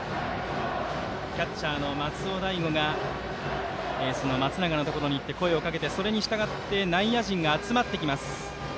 キャッチャーの松尾大悟がエースの松永のところに行って声をかけてそれにしたがって内野陣が集まってきます。